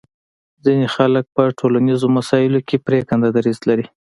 ځینې خلک په ټولنیزو مسایلو کې پرېکنده دریځ لري